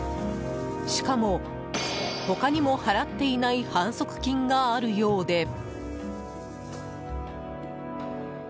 しかも、他にも払っていない反則金があるようで。